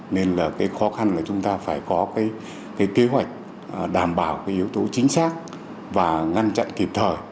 nên là cái khó khăn là chúng ta phải có cái kế hoạch đảm bảo cái yếu tố chính xác và ngăn chặn kịp thời